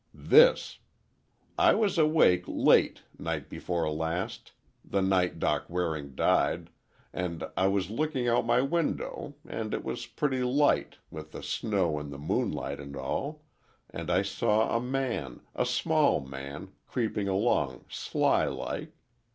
"This. I was awake late, night before last—the night Doc Waring died, and I was looking out my window, and it was pretty light, with the snow and the moonlight and all, and I saw a man—a small man, creeping along sly like.